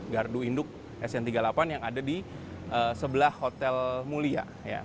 gardu induk sn tiga puluh delapan yang ada di sebelah hotel mulia